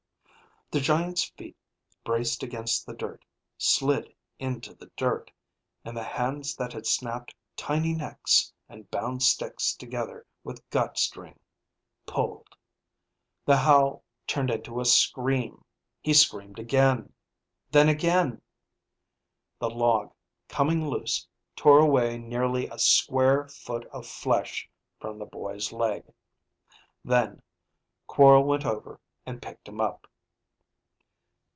The giant's feet braced against the dirt, slid into the dirt, and the hands that had snapped tiny necks and bound sticks together with gut string, pulled; the howl turned into a scream. He screamed again. Then again. The log coming loose tore away nearly a square foot of flesh from the boy's leg. Then, Quorl went over and picked him up.